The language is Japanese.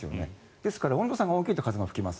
ですから温度差が大きいと風が吹きます。